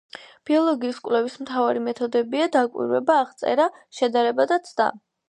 ბიოლოგიის კვლევის მთავარი მეთოდებია: დაკვირვება, აღწერა, შედარება და ცდა.